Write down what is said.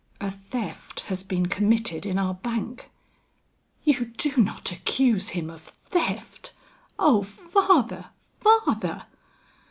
A theft has been committed in our bank " "You do not accuse him of theft! Oh father, father!"